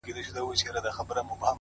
خو مخته دي ځان هر ځلي ملنگ در اچوم؛